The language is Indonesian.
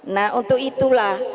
nah untuk itulah